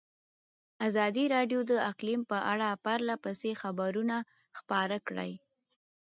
ازادي راډیو د اقلیم په اړه پرله پسې خبرونه خپاره کړي.